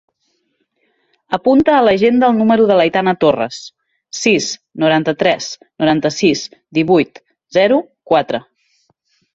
Apunta a l'agenda el número de l'Aitana Torras: sis, noranta-tres, noranta-sis, divuit, zero, quatre.